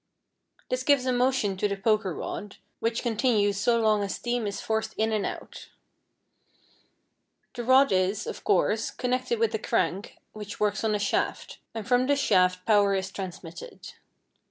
This gives a motion to the poker rod, which continues so long as steam is forced in and out. The rod, is, of course, connected with a crank which works on a shaft, and from this shaft power is transmitted.